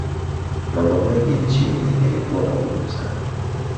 mambo mengi nchini yalikuwa magumu sana